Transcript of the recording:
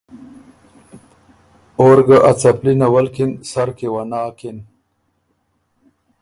اور ګۀ ا څپلی نولکِن سر کی وه ناکِن